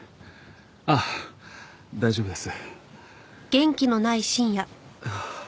あっ大丈夫です。